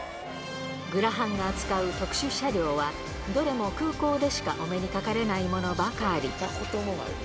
グラハンが扱う特殊車両は、どれも空港でしかお目にかかれないものばかり。